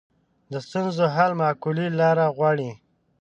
د ستونزو حل معقولې لارې غواړي